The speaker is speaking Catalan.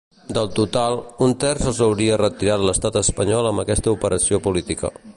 Del total, un terç els hauria retirat l’estat espanyol amb aquesta operació política.